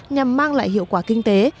nhằm mang lại hiệu quả kinh tế